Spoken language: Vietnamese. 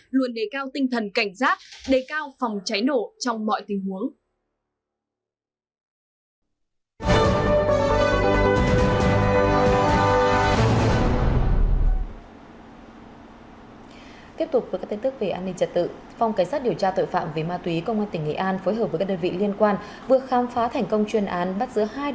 luôn đề cao tinh thần cảnh giác đề cao phòng cháy nổ trong mọi tình huống